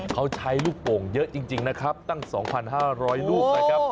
เพลูกโป่งเยอะจริงนะครับตั้ง๒๕๐๐เราพอ